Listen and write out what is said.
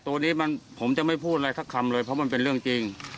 ตัวนี้มันผมจะไม่พูดอะไรสักคำเลยเพราะมันเป็นเรื่องจริง